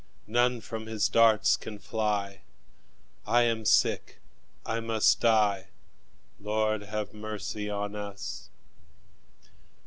None from his darts can fly; I am sick, I must die Lord, have mercy on us!